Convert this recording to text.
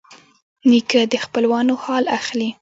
نیکه د خپلوانو حال اخلي.